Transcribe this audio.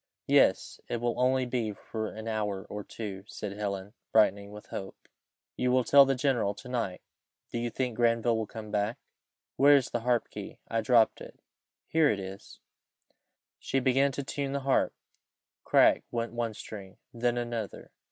"Yes, it will only be for an hour or two," said Helen, brightening with hope. "You will tell the general to night Do you think Granville will come back? Where is the harp key? I dropped it here it is." She began to tune the harp. Crack went one string then another.